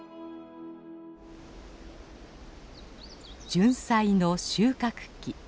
ジュンサイの収穫期。